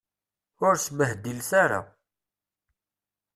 Ur sbehdilet ara.